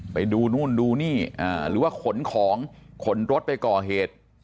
ไปดูนู่นดูนี่หรือว่าขนของขนรถไปก่อเหตุ